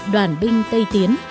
đoàn binh tây tiến